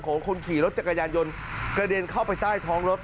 คนขี่รถจักรยานยนต์กระเด็นเข้าไปใต้ท้องรถ